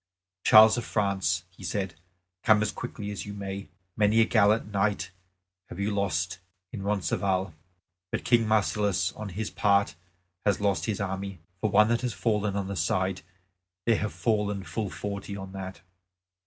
"Charles of France," he said, "come as quickly as you may! Many a gallant knight have you lost in Roncesvalles. But King Marsilas, on his part, has lost his army. For one that has fallen on this side there have fallen full forty on that."